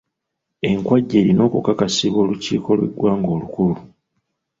Enkwajja erina okukakasibwa olukiiko lw'eggwanga olukulu.